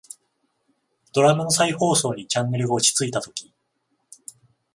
ドラマの再放送にチャンネルが落ち着いたとき、